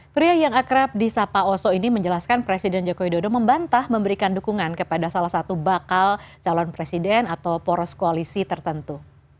pria yang akrab di sapa oso ini menjelaskan presiden jokowi dodo membantah memberikan dukungan kepada salah satu bakal calon presiden atau poros koalisi tertentu